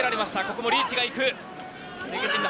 ここもリーチが行く。